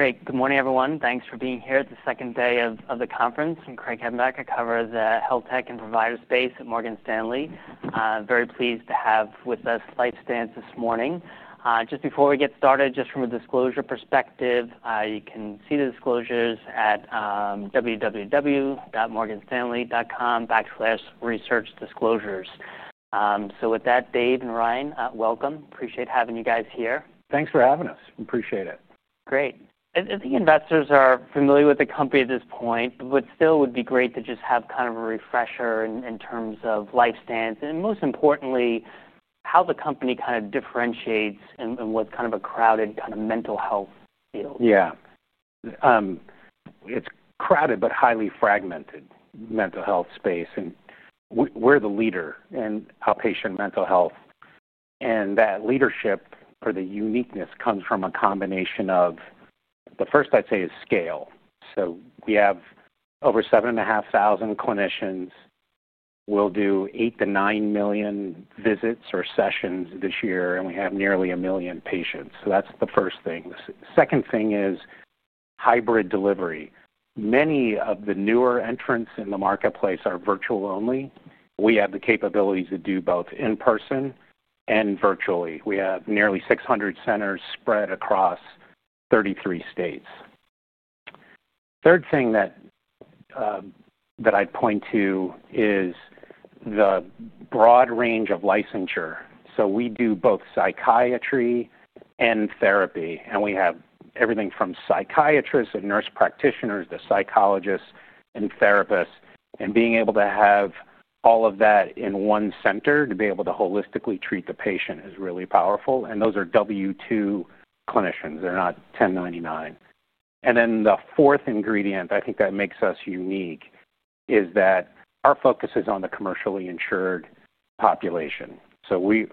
Hey, good morning everyone. Thanks for being here at the second day of the conference. I'm Craig Hettenbach. I cover the health tech and provider space at Morgan Stanley. I'm very pleased to have with us LifeStance this morning. Just before we get started, just from a disclosure perspective, you can see the disclosures at www.morganstanley.com/researchdisclosures. With that, Dave and Ryan, welcome. Appreciate having you guys here. Thanks for having us. Appreciate it. Great. I think investors are familiar with the company at this point, but still would be great to just have kind of a refresher in terms of LifeStance and most importantly, how the company kind of differentiates and what kind of a crowded kind of mental health field. Yeah. It's a crowded but highly fragmented mental health space. We're the leader in outpatient mental health. That leadership or the uniqueness comes from a combination of the first I'd say is scale. We have over 7,500 clinicians. We'll do 8 to 9 million visits or sessions this year, and we have nearly 1 million patients. That's the first thing. The second thing is hybrid delivery. Many of the newer entrants in the marketplace are virtual only. We have the capabilities to do both in-person and virtually. We have nearly 600 centers spread across 33 states. The third thing that I'd point to is the broad range of licensure. We do both psychiatry and therapy, and we have everything from psychiatrists and nurse practitioners to psychologists and therapists. Being able to have all of that in one center to be able to holistically treat the patient is really powerful. Those are W2 clinicians. They're not 1099. The fourth ingredient I think that makes us unique is that our focus is on the commercially insured population. We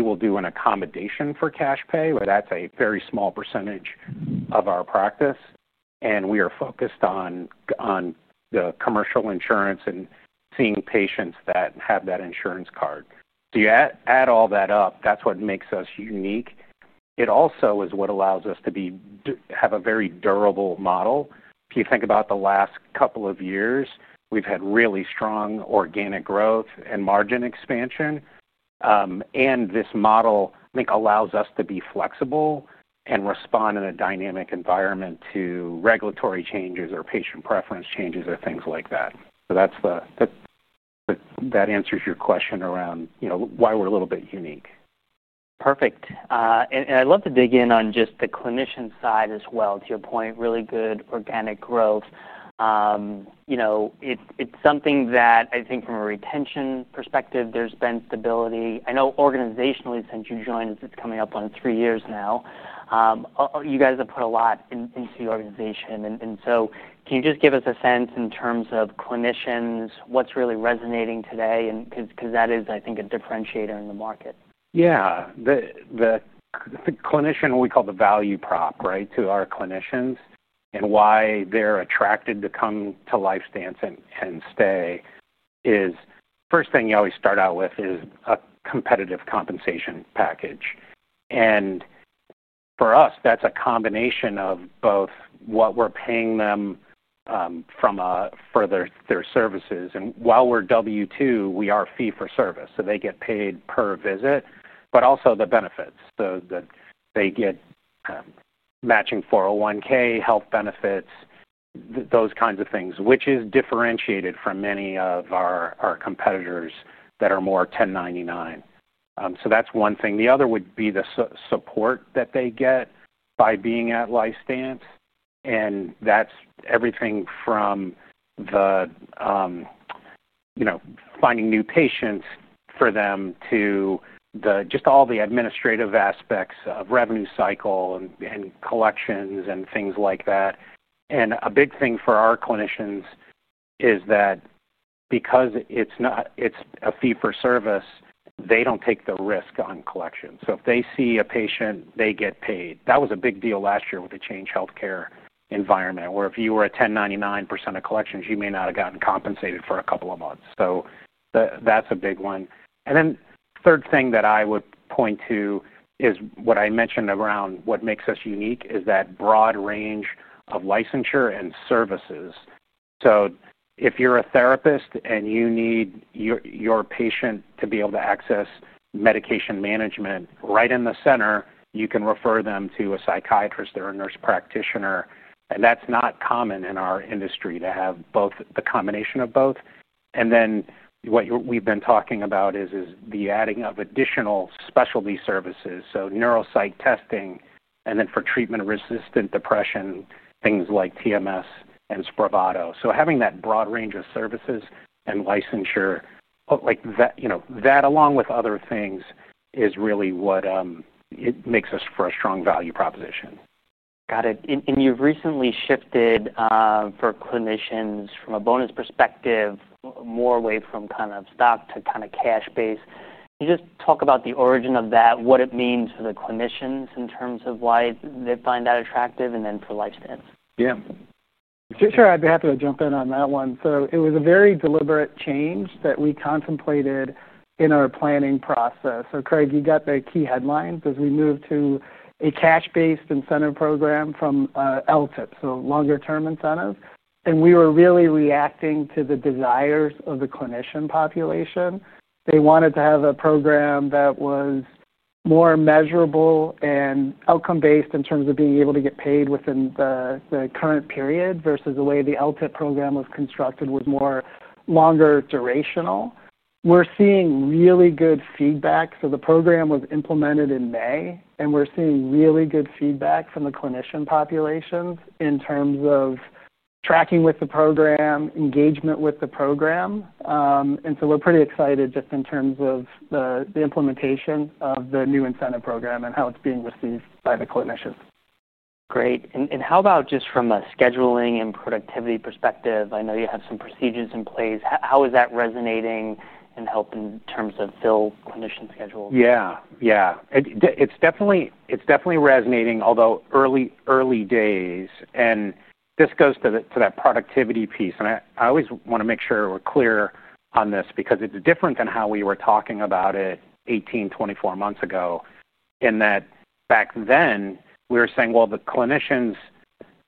will do an accommodation for cash pay, but that's a very small percentage of our practice. We are focused on the commercial insurance and seeing patients that have that insurance card. You add all that up. That's what makes us unique. It also is what allows us to have a very durable model. If you think about the last couple of years, we've had really strong organic growth and margin expansion. This model I think allows us to be flexible and respond in a dynamic environment to regulatory changes or patient preference changes or things like that. That answers your question around, you know, why we're a little bit unique. Perfect. I'd love to dig in on just the clinician side as well. To your point, really good organic growth. It's something that I think from a retention perspective, there's been stability. I know organizationally, since you joined us, it's coming up on three years now. You guys have put a lot into the organization. Can you just give us a sense in terms of clinicians, what's really resonating today? That is, I think, a differentiator in the market. Yeah. The clinician, what we call the value prop, right, to our clinicians and why they're attracted to come to LifeStance and stay is the first thing you always start out with is a competitive compensation package. For us, that's a combination of both what we're paying them for their services. While we're W2, we are fee-for-service. They get paid per visit, but also the benefits. They get matching 401(k), health benefits, those kinds of things, which is differentiated from many of our competitors that are more 1099. That's one thing. The other would be the support that they get by being at LifeStance. That's everything from finding new patients for them to all the administrative aspects of revenue cycle and collections and things like that. A big thing for our clinicians is that because it's a fee-for-service, they don't take the risk on collections. If they see a patient, they get paid. That was a big deal last year with the change healthcare environment, where if you were a 1099 % of collections, you may not have gotten compensated for a couple of months. That's a big one. The third thing that I would point to is what I mentioned around what makes us unique is that broad range of licensure and services. If you're a therapist and you need your patient to be able to access medication management right in the center, you can refer them to a psychiatrist or a nurse practitioner. That's not common in our industry to have the combination of both. What we've been talking about is the adding of additional specialty services, so neuropsych testing, and then for treatment-resistant depression, things like TMS and Spravato. Having that broad range of services and licensure, like that along with other things, is really what makes us for a strong value proposition. Got it. You have recently shifted for clinicians from a bonus perspective, more away from kind of stock to kind of cash base. Can you just talk about the origin of that, what it means for the clinicians in terms of why they find that attractive, and then for LifeStance? Yeah. Sure. I'd be happy to jump in on that one. It was a very deliberate change that we contemplated in our planning process. Craig, you got the key headlines as we move to a cash-based incentive program from LTIP, so longer-term incentives. We were really reacting to the desires of the clinician population. They wanted to have a program that was more measurable and outcome-based in terms of being able to get paid within the current period versus the way the LTIP program was constructed, which was more longer durational. We're seeing really good feedback. The program was implemented in May, and we're seeing really good feedback from the clinician populations in terms of tracking with the program, engagement with the program. We're pretty excited just in terms of the implementation of the new incentive program and how it's being received by the clinicians. Great. How about just from a scheduling and productivity perspective? I know you have some procedures in place. How is that resonating and helping in terms of fill clinician schedules? Yeah. Yeah. It's definitely resonating, although early days. This goes to that productivity piece. I always want to make sure we're clear on this because it's different than how we were talking about it 18, 24 months ago, in that back then, we were saying the clinicians,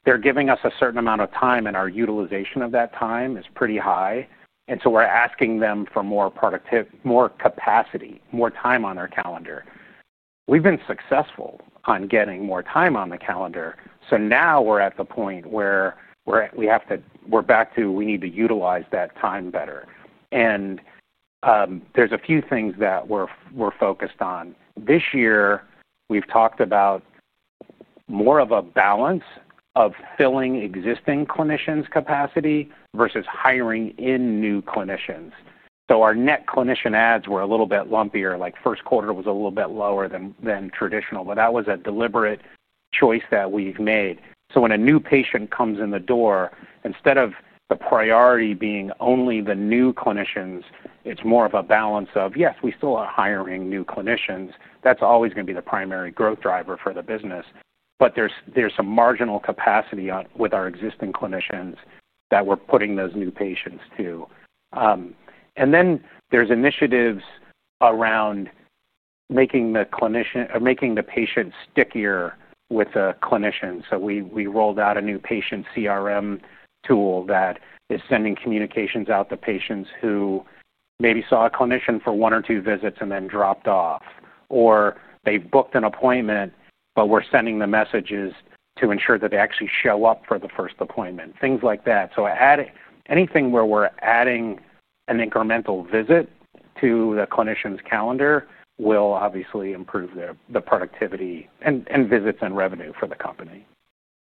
they're giving us a certain amount of time, and our utilization of that time is pretty high. We were asking them for more productive, more capacity, more time on their calendar. We've been successful on getting more time on the calendar. Now we're at the point where we need to utilize that time better. There are a few things that we're focused on. This year, we've talked about more of a balance of filling existing clinicians' capacity versus hiring new clinicians. Our net clinician additions were a little bit lumpier. First quarter was a little bit lower than traditional. That was a deliberate choice that we've made. When a new patient comes in the door, instead of the priority being only the new clinicians, it's more of a balance of, yes, we still are hiring new clinicians. That's always going to be the primary growth driver for the business. There is some marginal capacity with our existing clinicians that we're putting those new patients to. There are initiatives around making the patient stickier with a clinician. We rolled out a new patient CRM tool that is sending communications out to patients who maybe saw a clinician for one or two visits and then dropped off. Or they booked an appointment, but we're sending the messages to ensure that they actually show up for the first appointment, things like that. Adding anything where we're adding an incremental visit to the clinician's calendar will obviously improve the productivity and visits and revenue for the company.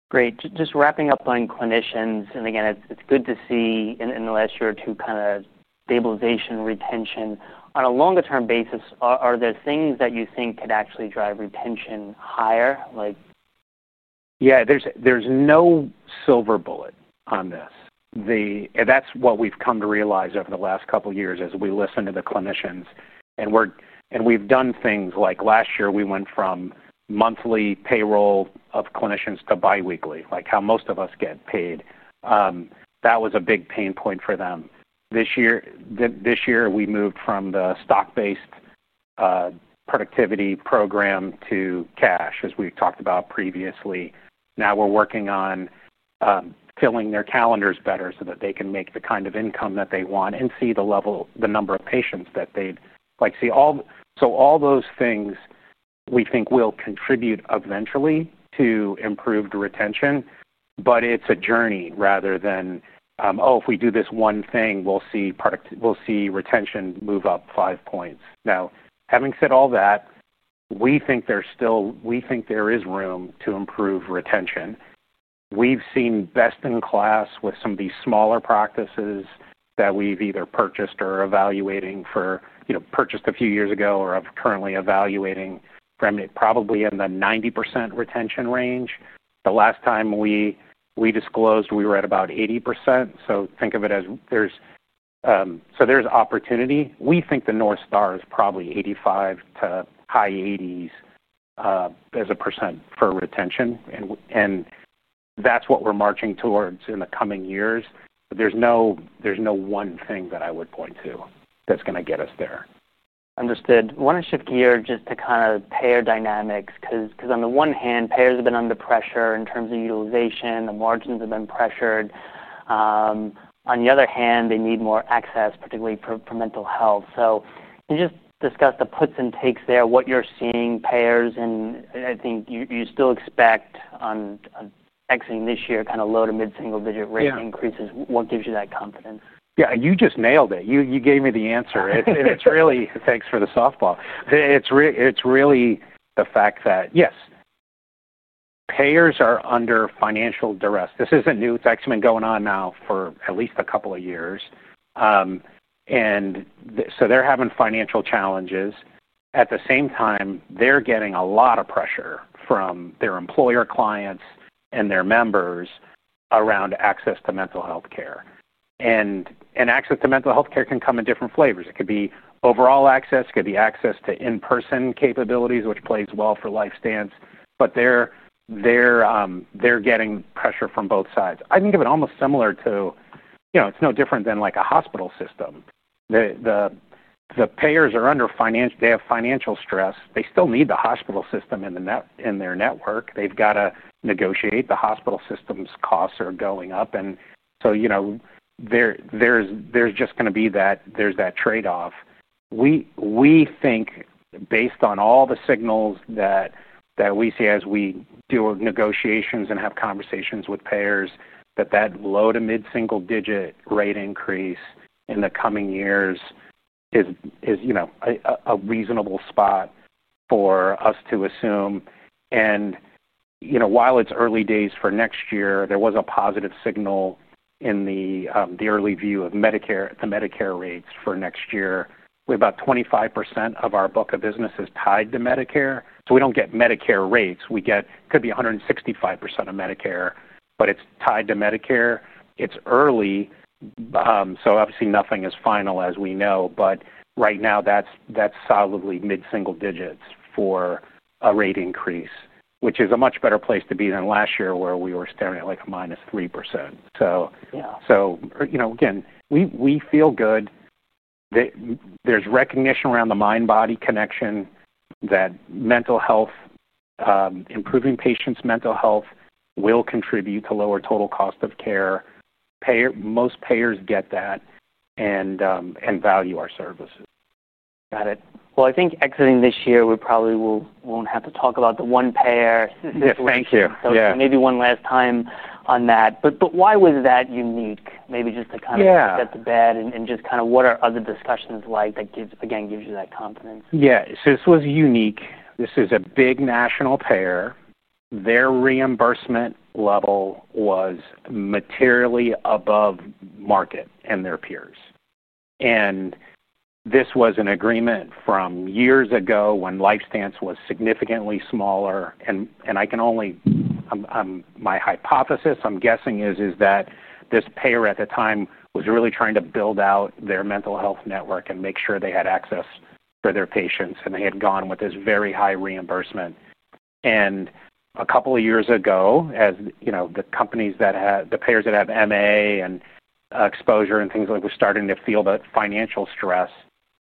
Great. Just wrapping up on clinicians, it's good to see in the last year or two kind of stabilization, retention. On a longer-term basis, are there things that you think could actually drive retention higher? Yeah. There's no silver bullet on this. That's what we've come to realize over the last couple of years as we listen to the clinicians. We've done things like last year, we went from monthly payroll of clinicians to biweekly, like how most of us get paid. That was a big pain point for them. This year, we moved from the stock-based productivity program to cash, as we've talked about previously. Now we're working on filling their calendars better so that they can make the kind of income that they want and see the level, the number of patients that they'd like to see. All those things we think will contribute eventually to improved retention. It is a journey rather than, oh, if we do this one thing, we'll see retention move up five points. Now, having said all that, we think there is room to improve retention. We've seen best in class with some of these smaller practices that we've either purchased a few years ago or are currently evaluating from probably in the 90% retention range. The last time we disclosed, we were at about 80%. Think of it as there's opportunity. We think the North Star is probably 85% to high 80s as a percent for retention. That's what we're marching towards in the coming years. There's no one thing that I would point to that's going to get us there. Understood. I want to shift gears just to kind of payer dynamics because on the one hand, payers have been under pressure in terms of utilization. The margins have been pressured. On the other hand, they need more access, particularly for mental health. Can you just discuss the puts and takes there, what you're seeing payers? I think you still expect on exiting this year, kind of low to mid-single-digit rate increases. What gives you that confidence? Yeah. You just nailed it. You gave me the answer. It's really, thanks for the softball. It's really the fact that, yes, payers are under financial duress. This isn't new. It's actually been going on now for at least a couple of years. They're having financial challenges. At the same time, they're getting a lot of pressure from their employer clients and their members around access to mental health care. Access to mental health care can come in different flavors. It could be overall access. It could be access to in-person capabilities, which plays well for LifeStance. They're getting pressure from both sides. I think of it almost similar to, you know, it's no different than like a hospital system. The payers are under financial, they have financial stress. They still need the hospital system in their network. They've got to negotiate. The hospital system's costs are going up. There's just going to be that, there's that trade-off. We think, based on all the signals that we see as we do negotiations and have conversations with payers, that that low to mid-single-digit rate increase in the coming years is, you know, a reasonable spot for us to assume. While it's early days for next year, there was a positive signal in the early view of Medicare, the Medicare rates for next year. We have about 25% of our book of business tied to Medicare. We don't get Medicare rates. We get, it could be 165% of Medicare, but it's tied to Medicare. It's early. Obviously, nothing is final, as we know. Right now, that's solidly mid-single digits for a rate increase, which is a much better place to be than last year, where we were staring at like a -3%. Again, we feel good. There's recognition around the mind-body connection that mental health, improving patients' mental health will contribute to lower total cost of care. Most payers get that and value our services. Got it. I think exiting this year, we probably won't have to talk about the one payer. Thank you. Maybe one last time on that. Why was that unique? Maybe just to kind of get the bed and what are other discussions like that gives, again, gives you that confidence? Yeah. This was unique. This is a big national payer. Their reimbursement level was materially above market and their peers. This was an agreement from years ago when LifeStance Health Group was significantly smaller. I can only, my hypothesis, I'm guessing, is that this payer at the time was really trying to build out their mental health network and make sure they had access for their patients. They had gone with this very high reimbursement. A couple of years ago, as you know, the companies that had the payers that have MA and exposure and things like that were starting to feel the financial stress,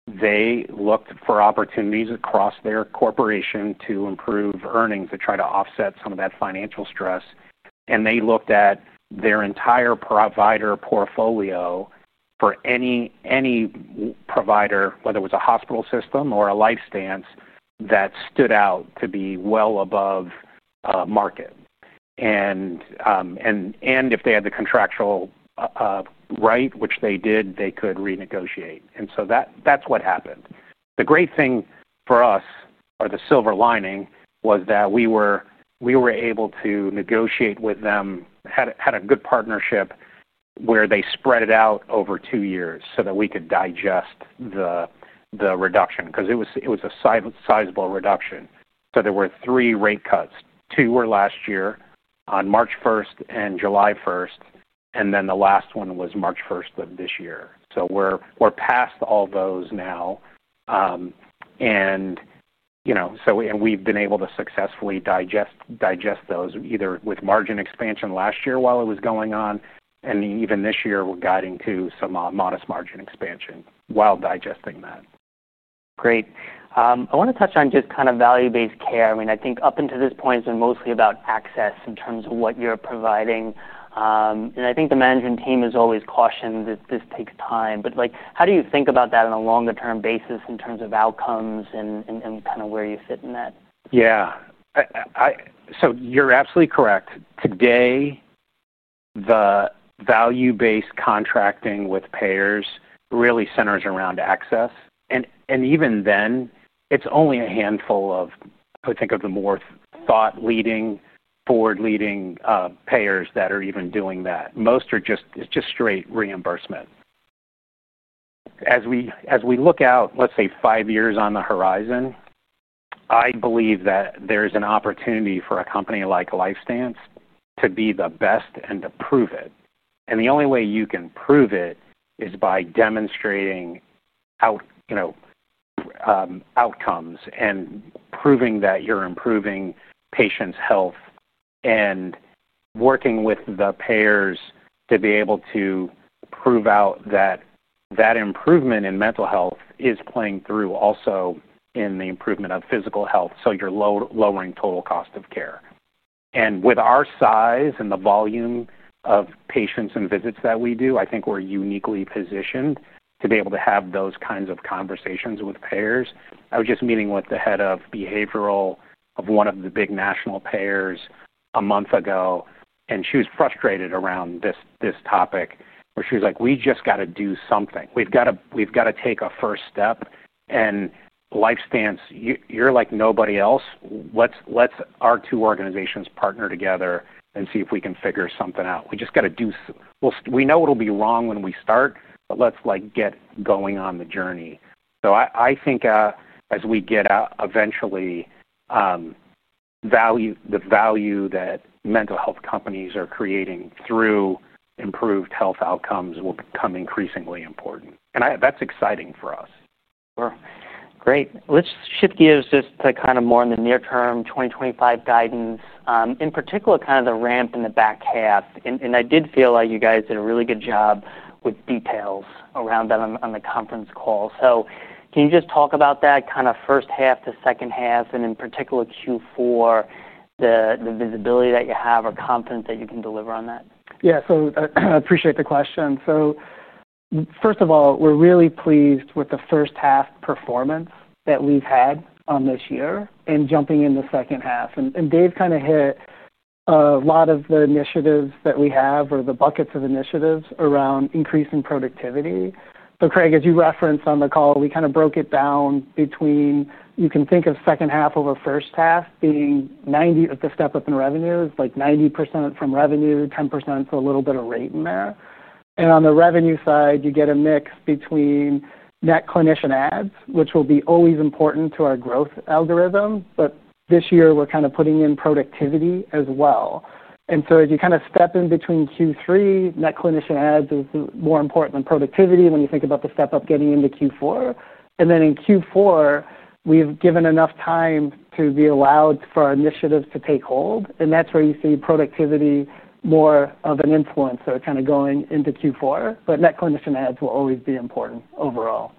they looked for opportunities across their corporation to improve earnings, to try to offset some of that financial stress. They looked at their entire provider portfolio for any provider, whether it was a hospital system or a LifeStance Health Group, that stood out to be well above market. If they had the contractual right, which they did, they could renegotiate. That's what happened. The great thing for us, or the silver lining, was that we were able to negotiate with them, had a good partnership where they spread it out over two years so that we could digest the reduction because it was a sizable reduction. There were three rate cuts. Two were last year, on March 1 and July 1. The last one was March 1 of this year. We're past all those now. We've been able to successfully digest those either with margin expansion last year while it was going on. Even this year, we're guiding to some modest margin expansion while digesting that. Great. I want to touch on just kind of value-based care. I mean, I think up until this point, it's been mostly about access in terms of what you're providing. I think the management team has always cautioned that this takes time. How do you think about that on a longer-term basis in terms of outcomes and kind of where you sit in that? Yeah. You're absolutely correct. Today, the value-based contracting with payers really centers around access. Even then, it's only a handful of, I would think of the more thought-leading, forward-leading payers that are even doing that. Most are just straight reimbursement. As we look out, let's say five years on the horizon, I believe that there's an opportunity for a company like LifeStance Health Group to be the best and to prove it. The only way you can prove it is by demonstrating outcomes and proving that you're improving patients' health and working with the payers to be able to prove out that that improvement in mental health is playing through also in the improvement of physical health. You're lowering total cost of care. With our size and the volume of patients and visits that we do, I think we're uniquely positioned to be able to have those kinds of conversations with payers. I was just meeting with the head of behavioral of one of the big national payers a month ago, and she was frustrated around this topic where she was like, "We just got to do something. We've got to take a first step. LifeStance Health Group, you're like nobody else. Let's let our two organizations partner together and see if we can figure something out. We just got to do something. We know it'll be wrong when we start, but let's get going on the journey." I think as we get out, eventually, the value that mental health companies are creating through improved health outcomes will become increasingly important. That's exciting for us. Let's shift gears just to kind of more in the near term, 2025 guidance. In particular, kind of the ramp in the back half. I did feel like you guys did a really good job with details around that on the conference call. Can you just talk about that kind of first half to second half, and in particular Q4, the visibility that you have or confidence that you can deliver on that? Yeah. I appreciate the question. First of all, we're really pleased with the first half performance that we've had this year and jumping into the second half. Dave kind of hit a lot of the initiatives that we have or the buckets of initiatives around increasing productivity. Craig, as you referenced on the call, we kind of broke it down between, you can think of second half over first half being 90% of the step up in revenue, like 90% from revenue, 10%, so a little bit of rate in there. On the revenue side, you get a mix between net clinician additions, which will be always important to our growth algorithm. This year, we're kind of putting in productivity as well. As you kind of step in between Q3, net clinician additions is more important than productivity when you think about the step up getting into Q4. In Q4, we've given enough time to be allowed for initiatives to take hold. That's where you see productivity more of an influence, kind of going into Q4, but net clinician additions will always be important overall.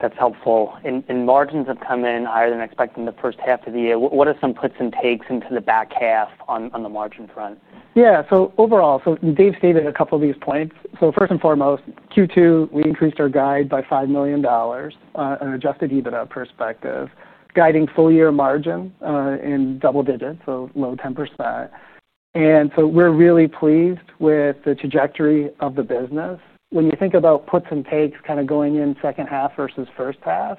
That's helpful. Margins have come in higher than expected in the first half of the year. What are some puts and takes into the back half on the margin front? Yeah. Overall, as Dave stated, a couple of these points. First and foremost, Q2, we increased our guide by $5 million on an adjusted EBITDA perspective, guiding full-year margin in double digits, so low 10%. We're really pleased with the trajectory of the business. When you think about puts and takes kind of going in second half versus first half,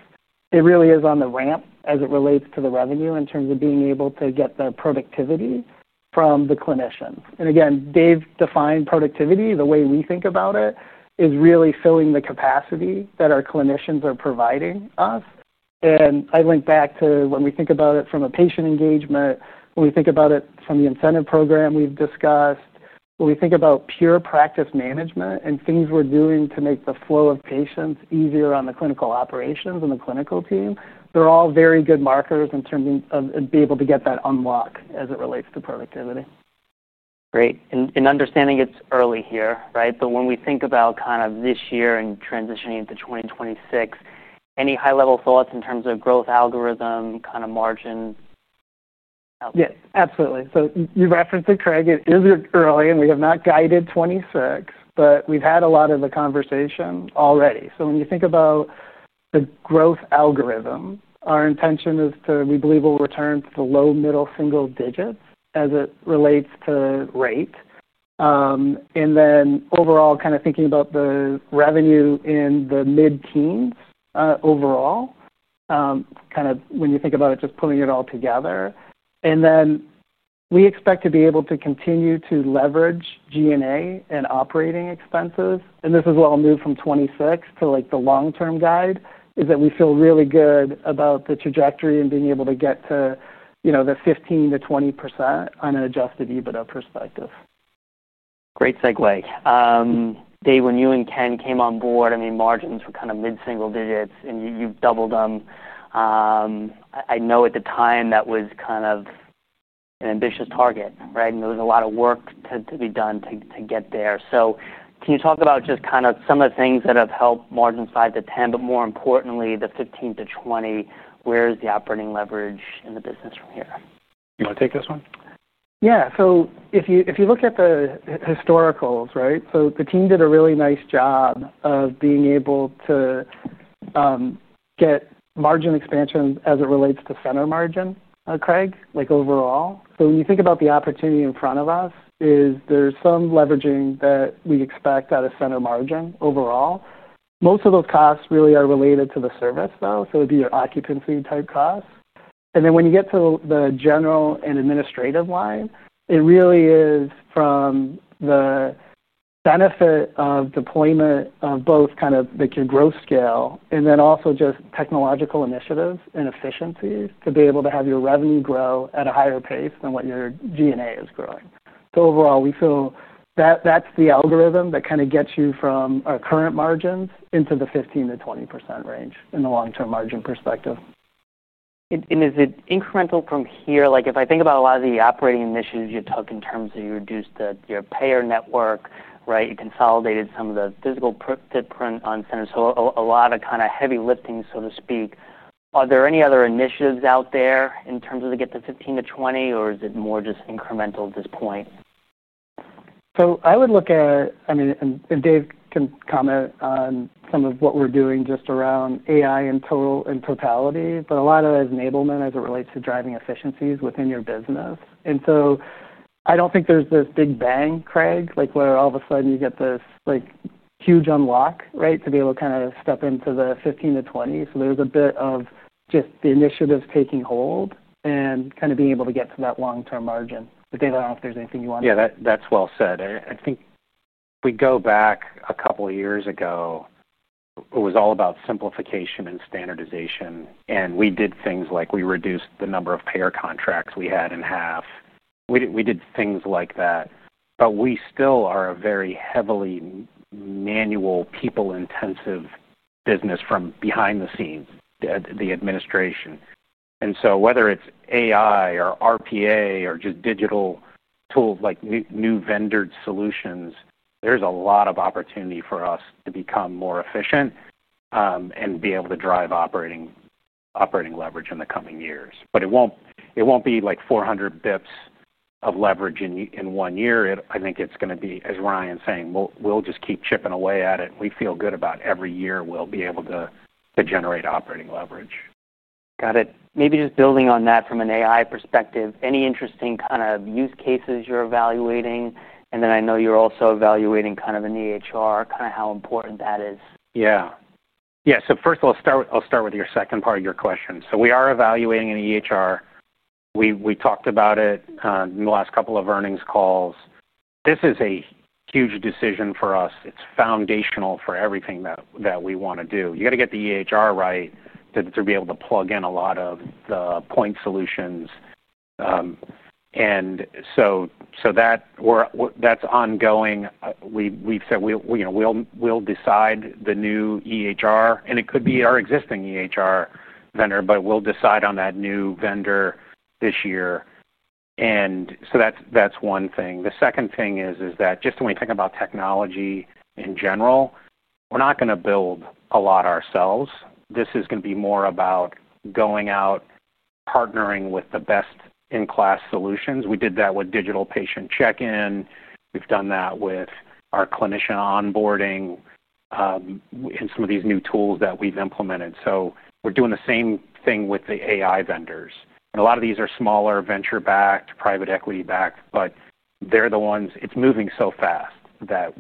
it really is on the ramp as it relates to the revenue in terms of being able to get the productivity from the clinicians. Again, Dave defined productivity, the way we think about it is really filling the capacity that our clinicians are providing us. I link back to when we think about it from a patient engagement, when we think about it from the incentive program we've discussed, when we think about pure practice management and things we're doing to make the flow of patients easier on the clinical operations and the clinical team, they're all very good markers in terms of being able to get that unlocked as it relates to productivity. Great. Understanding it's early here, right? When we think about kind of this year and transitioning into 2026, any high-level thoughts in terms of growth algorithm, kind of margin? Yes, absolutely. You referenced it, Craig. It is early, and we have not guided 2026, but we've had a lot of the conversation already. When you think about the growth algorithm, our intention is to, we believe, we'll return to the low middle single digits as it relates to rate. Overall, kind of thinking about the revenue in the mid-teens overall, kind of when you think about it, just pulling it all together. We expect to be able to continue to leverage G&A and operating expenses. This is what I'll move from 2026 to the long-term guide, is that we feel really good about the trajectory and being able to get to the 15% to 20% on an adjusted EBITDA perspective. Great segue. Dave, when you and Ken came on board, I mean, margins were kind of mid-single digits, and you've doubled them. I know at the time that was kind of an ambitious target, right? There was a lot of work to be done to get there. Can you talk about just kind of some of the things that have helped margin 5 to 10, but more importantly, the 15 to 20, where's the operating leverage in the business from here? You want to take this one? Yeah. If you look at the historicals, right? The team did a really nice job of being able to get margin expansion as it relates to center margin, Craig, like overall. When you think about the opportunity in front of us, there's some leveraging that we expect out of center margin overall. Most of those costs really are related to the service, though. It'd be your occupancy type costs. When you get to the general and administrative line, it really is from the benefit of deployment of both kind of like your growth scale and then also just technological initiatives and efficiencies to be able to have your revenue grow at a higher pace than what your G&A is growing. Overall, we feel that that's the algorithm that kind of gets you from our current margins into the 15% to 20% range in the long-term margin perspective. Is it incremental from here? If I think about a lot of the operating initiatives you took in terms of you reduced your payer network, you consolidated some of the physical footprint on center, a lot of kind of heavy lifting, so to speak. Are there any other initiatives out there in terms of to get to 15% to 20%, or is it more just incremental at this point? I would look at, I mean, and Dave can comment on some of what we're doing just around AI in total and totality, but a lot of that is enablement as it relates to driving efficiencies within your business. I don't think there's this big bang, Craig, like where all of a sudden you get this like huge unlock, right, to be able to kind of step into the 15 to 20. There's a bit of just the initiatives taking hold and kind of being able to get to that long-term margin. Dave, I don't know if there's anything you want to. Yeah, that's well said. I think if we go back a couple of years ago, it was all about simplification and standardization. We did things like we reduced the number of payer contracts we had in half. We did things like that. We still are a very heavily manual, people-intensive business from behind the scenes, the administration. Whether it's AI or RPA or just digital tools, like new vendored solutions, there's a lot of opportunity for us to become more efficient and be able to drive operating leverage in the coming years. It won't be like 400 bps of leverage in one year. I think it's going to be, as Ryan was saying, we'll just keep chipping away at it. We feel good about every year we'll be able to generate operating leverage. Got it. Maybe just building on that from an AI perspective, any interesting kind of use cases you're evaluating? I know you're also evaluating kind of an EHR, kind of how important that is. Yeah. Yeah. First of all, I'll start with your second part of your question. We are evaluating an EHR. We talked about it in the last couple of earnings calls. This is a huge decision for us. It's foundational for everything that we want to do. You got to get the EHR right to be able to plug in a lot of the point solutions. That's ongoing. We've said we'll decide the new EHR, and it could be our existing EHR vendor, but we'll decide on that new vendor this year. That's one thing. The second thing is that just when we think about technology in general, we're not going to build a lot ourselves. This is going to be more about going out, partnering with the best in-class solutions. We did that with digital patient check-in. We've done that with our clinician onboarding and some of these new tools that we've implemented. We're doing the same thing with the AI vendors. A lot of these are smaller venture-backed, private equity-backed, but they're the ones it's moving so fast that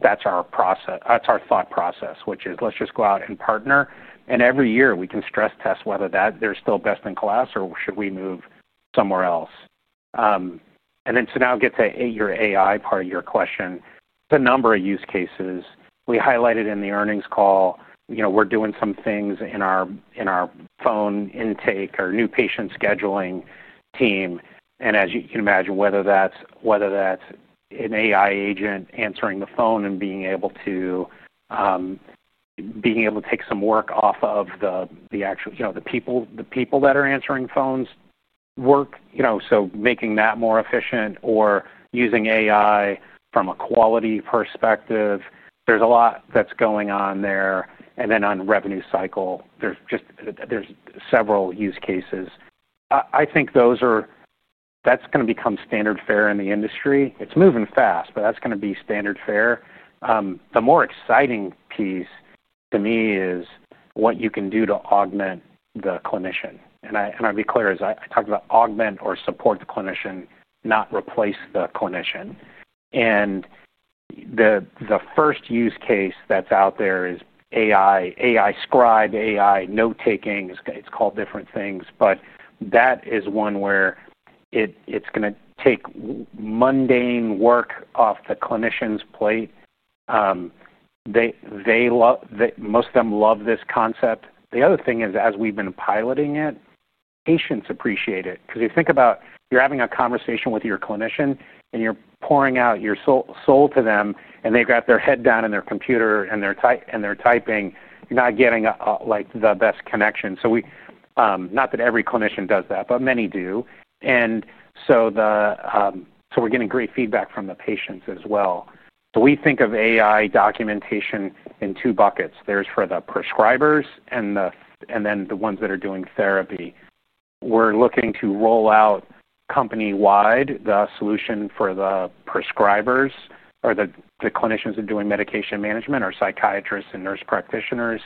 that's our process, that's our thought process, which is let's just go out and partner. Every year, we can stress test whether they're still best in class or should we move somewhere else. Now I'll get to your AI part of your question. The number of use cases we highlighted in the earnings call, you know, we're doing some things in our phone intake or new patient scheduling team. As you can imagine, whether that's an AI agent answering the phone and being able to take some work off of the actual, you know, the people that are answering phones work, you know, making that more efficient or using AI from a quality perspective, there's a lot that's going on there. On revenue cycle, there's just several use cases. I think those are going to become standard fare in the industry. It's moving fast, but that's going to be standard fare. The more exciting piece to me is what you can do to augment the clinician. I'll be clear, as I talked about, augment or support the clinician, not replace the clinician. The first use case that's out there is AI, AI scribe, AI note-taking. It's called different things. That is one where it's going to take mundane work off the clinician's plate. Most of them love this concept. The other thing is, as we've been piloting it, patients appreciate it. Because you think about you're having a conversation with your clinician and you're pouring out your soul to them, and they've got their head down in their computer and they're typing, you're not getting the best connection. Not that every clinician does that, but many do. We're getting great feedback from the patients as well. We think of AI documentation in two buckets. There's for the prescribers and then the ones that are doing therapy. We're looking to roll out company-wide the solution for the prescribers or the clinicians that are doing medication management or psychiatrists and nurse practitioners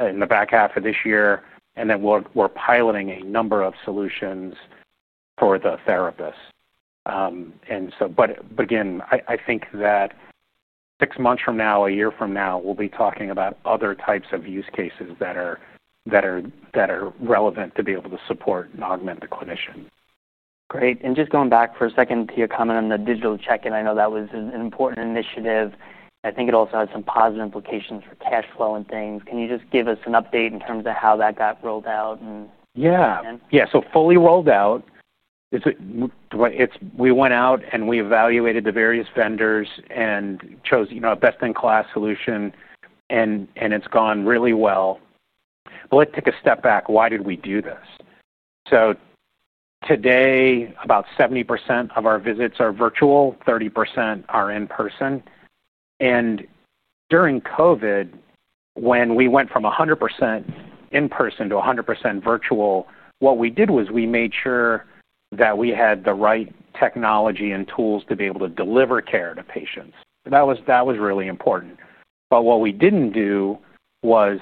in the back half of this year. We're piloting a number of solutions for the therapists. I think that six months from now, a year from now, we'll be talking about other types of use cases that are relevant to be able to support and augment the clinician. Great. Just going back for a second to your comment on the digital check-in, I know that was an important initiative. I think it also had some positive implications for cash flow and things. Can you just give us an update in terms of how that got rolled out? Yeah. Yeah. So fully rolled out. We went out and we evaluated the various vendors and chose, you know, a best-in-class solution. It's gone really well. Let's take a step back. Why did we do this? Today, about 70% of our visits are virtual, 30% are in-person. During COVID, when we went from 100% in-person to 100% virtual, what we did was we made sure that we had the right technology and tools to be able to deliver care to patients. That was really important. What we didn't do was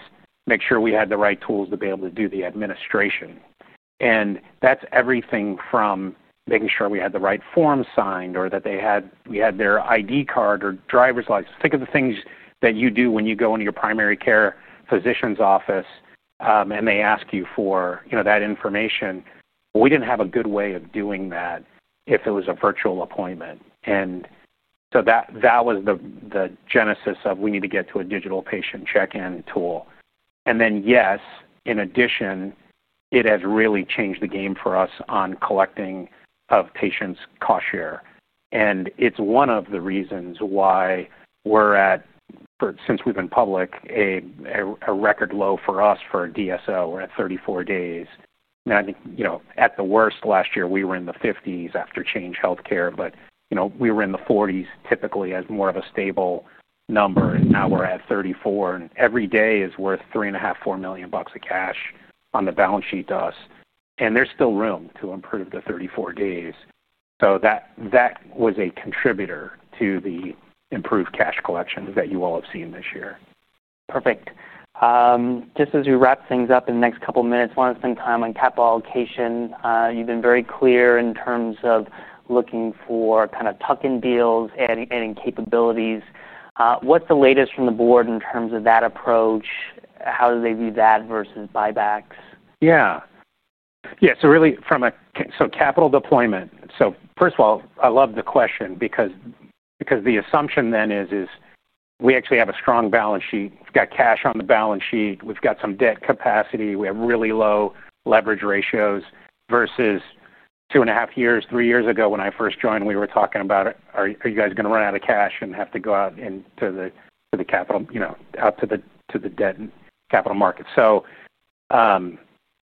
make sure we had the right tools to be able to do the administration. That's everything from making sure we had the right form signed or that we had their ID card or driver's license. Think of the things that you do when you go into your primary care physician's office and they ask you for, you know, that information. We didn't have a good way of doing that if it was a virtual appointment. That was the genesis of we need to get to a digital patient check-in tool. Yes, in addition, it has really changed the game for us on collecting of patients' cost share. It's one of the reasons why we're at, since we've been public, a record low for us for a DSO. We're at 34 days. I think, you know, at the worst last year, we were in the 50s after Change Healthcare, but you know, we were in the 40s typically as more of a stable number. Now we're at 34, and every day is worth $3.5 million, $4 million of cash on the balance sheet to us. There's still room to improve the 34 days. That was a contributor to the improved cash collections that you all have seen this year. Perfect. Just as we wrap things up in the next couple of minutes, I want to spend time on capital allocation. You've been very clear in terms of looking for kind of tuck-in deals, adding capabilities. What's the latest from the board in terms of that approach? How do they view that versus buybacks? Yeah. Yeah. So really from a capital deployment. First of all, I love the question because the assumption then is we actually have a strong balance sheet. We've got cash on the balance sheet. We've got some debt capacity. We have really low leverage ratios versus two and a half years, three years ago when I first joined. We were talking about, are you guys going to run out of cash and have to go out into the capital, you know, out to the debt and capital market?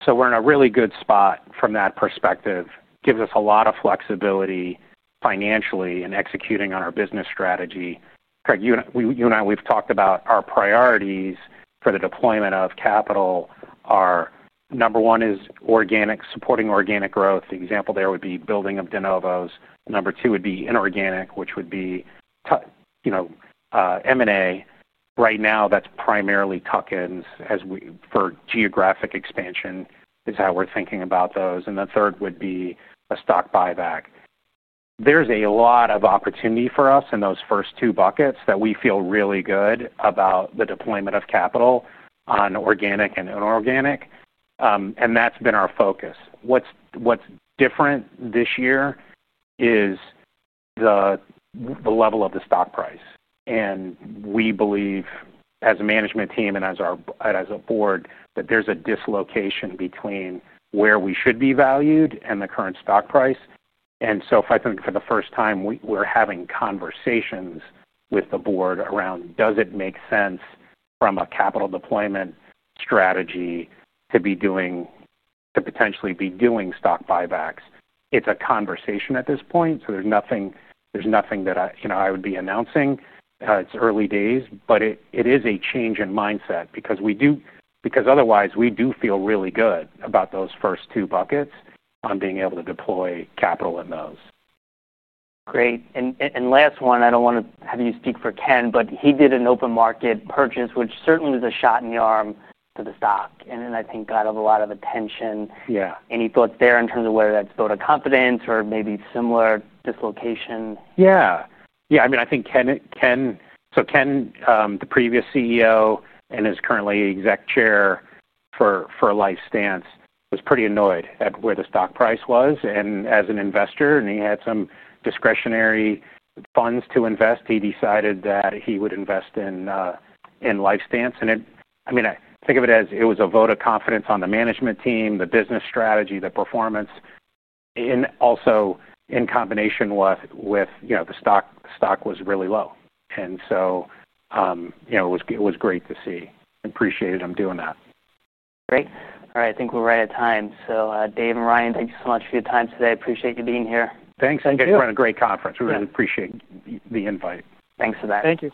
We're in a really good spot from that perspective. It gives us a lot of flexibility financially in executing on our business strategy. Craig, you and I, we've talked about our priorities for the deployment of capital. Our number one is organic, supporting organic growth. The example there would be building of de novos. Number two would be inorganic, which would be, you know, M&A. Right now, that's primarily tuck-ins as we for geographic expansion is how we're thinking about those. The third would be a stock buyback. There's a lot of opportunity for us in those first two buckets that we feel really good about the deployment of capital on organic and inorganic. That's been our focus. What's different this year is the level of the stock price. We believe, as a management team and as a board, that there's a dislocation between where we should be valued and the current stock price. If I think for the first time, we're having conversations with the board around, does it make sense from a capital deployment strategy to be doing, to potentially be doing stock buybacks? It's a conversation at this point. There's nothing that I would be announcing. It's early days, but it is a change in mindset because we do, because otherwise, we do feel really good about those first two buckets on being able to deploy capital in those. Great. Last one, I don't want to have you speak for Ken, but he did an open market purchase, which certainly was a shot in the arm to the stock. I think got a lot of attention. Any thoughts there in terms of whether that's voted confidence or maybe similar dislocation? Yeah. Yeah. I mean, I think Ken, the previous CEO and is currently Executive Chairman for LifeStance, was pretty annoyed at where the stock price was. As an investor, and he had some discretionary funds to invest, he decided that he would invest in LifeStance. I mean, I think of it as it was a vote of confidence on the management team, the business strategy, the performance. Also, in combination with, you know, the stock, the stock was really low. It was great to see. I appreciated them doing that. Great. All right. I think we're right at time. Dave and Ryan, thank you so much for your time today. I appreciate you being here. Thanks. Thank you for a great conference. We really appreciate the invite. Thanks for that. Thank you.